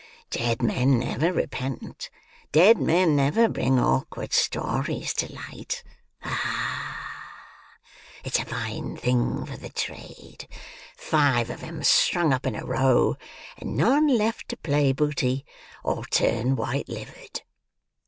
Dead men never repent; dead men never bring awkward stories to light. Ah, it's a fine thing for the trade! Five of 'em strung up in a row, and none left to play booty, or turn white livered!"